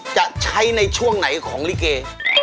จะใช้ในช่วงไหนของลิเก